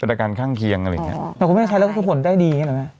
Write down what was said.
เป็นอาการข้างเคียงอะไรอย่างเงี้ยแต่ก็ไม่ใช้แล้วก็ผลได้ดีอย่างเงี้ย